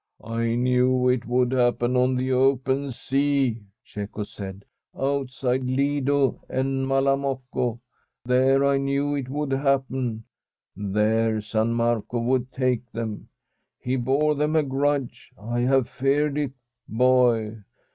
* I knew it would happen on the open sea,' Cecco said; 'outside Lido and Malamocco, there, I knew it would happen. There San Marco would take them. He bore them a grudge. I have feared it, boy.